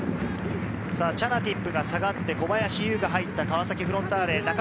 チャナティップが下がって、小林悠が入った川崎フロンターレ。